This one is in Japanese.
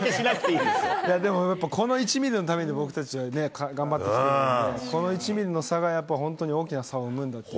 いや、でもこの１ミリのために僕たちはね、頑張ってきてるんで、この１ミリの差が、やっぱ本当に大きな差を生むんだっていう。